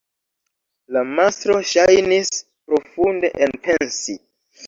La mastro ŝajnis profunde enpensi.